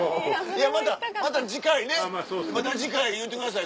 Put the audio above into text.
いやまたまた次回ねまた次回言うてください